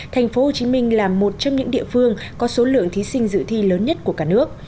thành phố hồ chí minh là một trong những địa phương có số lượng thí sinh dự thi lớn nhất của cả nước